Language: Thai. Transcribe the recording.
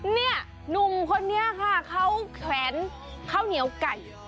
เนี่ยหนุ่มคนนี้ค่ะเขาแขวนข้าวเหนียวไก่